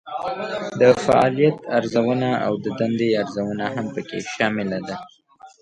د فعالیت ارزونه او د دندې ارزونه هم پکې شامله ده.